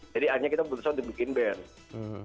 jadi akhirnya kita memutuskan untuk bikin band